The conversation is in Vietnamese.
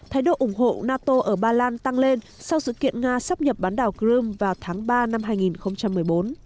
thái độ ủng hộ nato ở ba lan tăng lên sau sự kiện nga sắp nhập bán đảo crimea vào tháng ba năm hai nghìn một mươi bốn